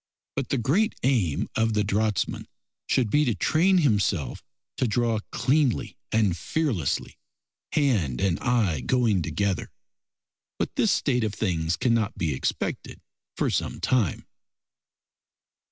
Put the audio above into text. But the great aim of the draughtsman should be to train himself to draw cleanly and fearlessly, hand and eye going together. But this state of things cannot be expected for some time.